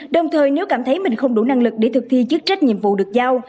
đồng thời nếu cảm thấy mình không đủ năng lực để thực thi chức trách nhiệm vụ được giao